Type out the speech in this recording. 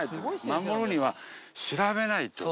守るには調べないと。